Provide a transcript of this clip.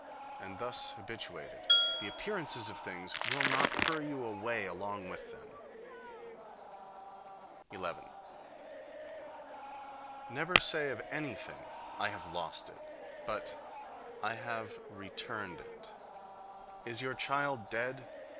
And thus habituated, the appearances of things will not hurry you away along with them. 11. Never say of anything, "I have lost it"; but, "I have returned it." Is your child dead?